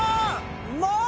もう！